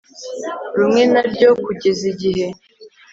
rumwe na ryo kugeza igihe